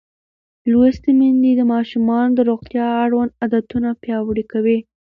لوستې میندې د ماشومانو د روغتیا اړوند عادتونه پیاوړي کوي.